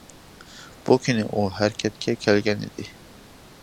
بۇ كۈنى ئۇ ھەرىكەتكە كەلگەن ئىدى.